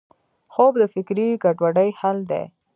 خوب د فکري ګډوډۍ حل دی